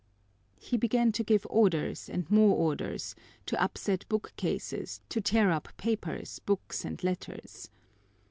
He began to give orders and more orders, to upset bookcases, to tear up papers, books, and letters.